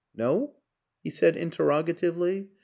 "No?" he said interrogatively.